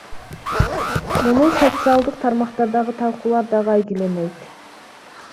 Муну социалдык тармактардагы талкуулар дагы айгинелейт.